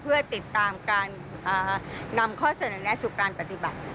เพื่อติดตามการนำข้อเสนอแนะสู่การปฏิบัติ